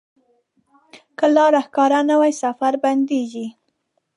که لاره ښکاره نه وي، سفر بندېږي.